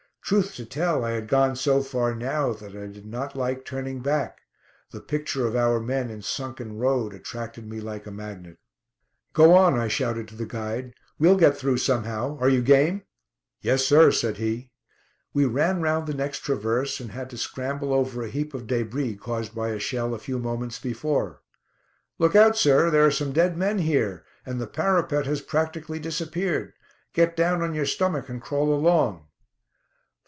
Truth to tell, I had gone so far now that I did not like turning back; the picture of our men in Sunken Road attracted me like a magnet. "Go on," I shouted to the guide. "We'll get through somehow. Are you game?" "Yes, sir," said he. We ran round the next traverse, and had to scramble over a heap of débris caused by a shell a few moments before. "Look out, sir! There are some dead men here, and the parapet has practically disappeared. Get down on your stomach and crawl along."